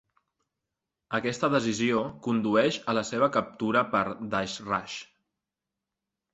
Aquesta decisió condueix a la seva captura per Dashrath.